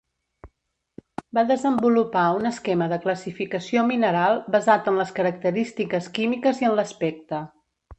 Va desenvolupar un esquema de classificació mineral basat en les característiques químiques i en l'aspecte.